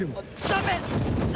ダメ！